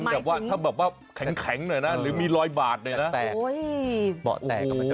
แบบว่าถ้าแบบว่าแข็งหน่อยน่ะหรือมีลอยบาดแน่นะเจ็บหน้า